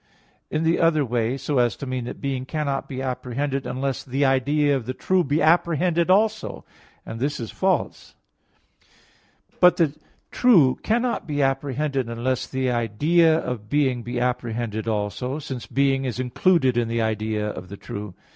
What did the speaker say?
In the other way, so as to mean that being cannot be apprehended unless the idea of the true be apprehended also; and this is false. But the true cannot be apprehended unless the idea of being be apprehended also; since being is included in the idea of the true.